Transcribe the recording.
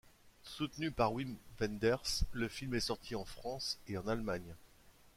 Soutenu par Wim Wenders, le film est sorti en France et en Allemagne.